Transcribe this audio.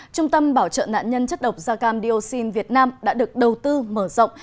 trung tâm bảo trợ nạn nhân chất độc da cam dioxin việt nam đã được đầu tư mở rộng